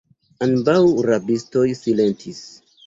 Ambaŭ rabistoj silentis.